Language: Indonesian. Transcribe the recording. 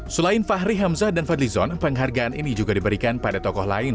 selain fahri hamzah dan fadlizon penghargaan ini juga diberikan pada tokoh lain